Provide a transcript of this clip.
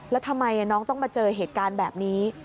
แล้วทำไมน้องต้องมาเจอเหตุการณ์แบบนี้